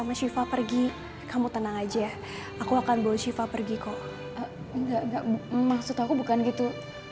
maksud aku bukan gitu